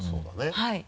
はい。